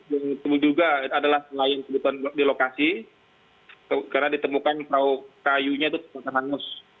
yang terbuka juga adalah yang lain yang terbuka di lokasi karena ditemukan perahu kayunya itu terbakar hangus